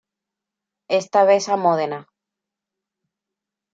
Esta vez a Módena.